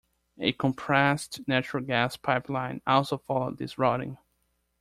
A compressed natural gas pipeline also follows this routing.